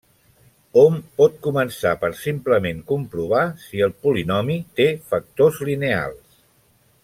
Hom pot començar per simplement comprovar si el polinomi té factors lineals.